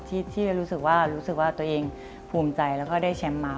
ที่รู้สึกว่าตัวเองภูมิใจแล้วก็ได้แชมพ์มา